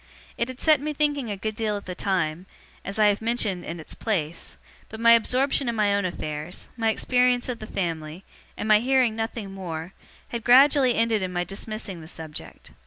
It had set me thinking a good deal at the time, as I have mentioned in its place; but my absorption in my own affairs, my experience of the family, and my hearing nothing more, had gradually ended in my dismissing the subject.